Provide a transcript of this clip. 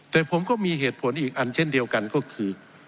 แต่ผมก็มีเหตุผลอีกอันเช่นเดียวกันก็คือ